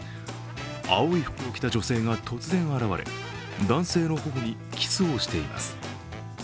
青い服を着た女性が突然現れ、男性の頬にキスをしています。